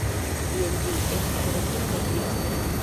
Jen ĝi, estas reklamo pri Esperanto